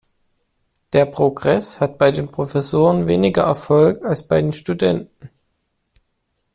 Der Progress hatte bei den Professoren weniger Erfolg als bei den Studenten.